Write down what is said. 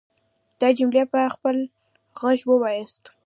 دا جملې په خپل غږ وواياست.